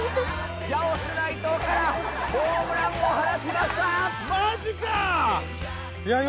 ギャオス内藤からホームランを放ちました！